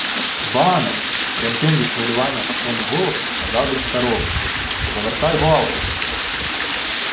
— Бане! — тремким від хвилювання та втоми голосом сказав він старому. — Завертай валку.